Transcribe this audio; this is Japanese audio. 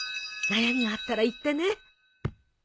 悩みがあったら言ってね。